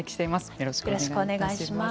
よろしくお願いします。